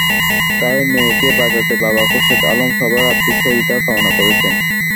তাই মেয়েকে বাঁচাতে বাবা খোরশেদ আলম সবার আর্থিক সহযোগিতা কামনা করেছেন।